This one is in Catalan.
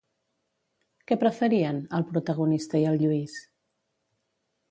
Què preferien, el protagonista i el Lluis?